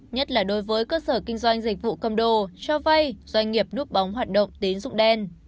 nhất là đối với cơ sở kinh doanh dịch vụ cầm đồ cho vay doanh nghiệp núp bóng hoạt động tín dụng đen